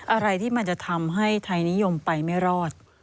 อะไรที่มันจะทำให้ไทยนิยมไปไม่รอด